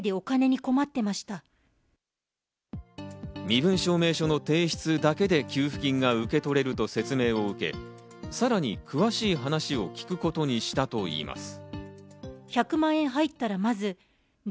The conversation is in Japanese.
身分証明書の提出だけで給付金が受け取れると説明を受け、さらに詳しい話を聞くことにしたといいます。